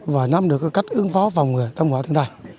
và nắm được cách ứng phó phòng ngừa thấm quả thiên tai